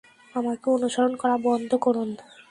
আমাকে অনুসরণ করা বন্ধ করুন।